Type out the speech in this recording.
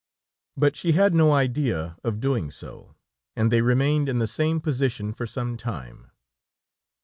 But she had no idea of doing so, and they remained in the same position for some time.